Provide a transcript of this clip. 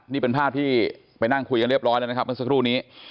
นี่เป็นภาพที่ไปนั่งคุยกันเรียบร้อยแล้วนะครับเมื่อสักครู่นี้